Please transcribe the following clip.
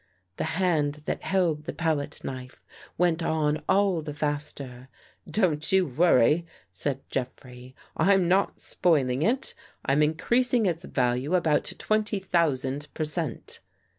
The hand that held the palette knife went on all the faster. " Don't you worry," said Jeffrey. " I'm not spoiling it. I'm increasing its value about twenty thousand per cent."